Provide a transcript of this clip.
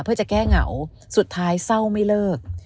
เพื่อจะแก้เหงาสุดท้ายเศร้าไม่เลิก